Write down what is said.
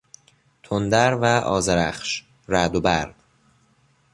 تندر و آذرخش، رعد و برق